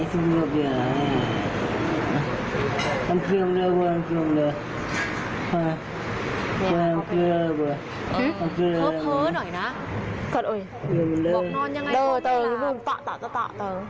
เหอะหน่อยบอกนอนยังไงครับเฑื่อเวลา